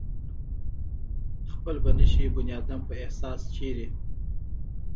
خپل به نشي بنيادم پۀ احسان چرې